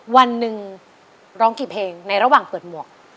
วันหนึ่งร้องกี่เพลงในระหว่างเปิดหมวก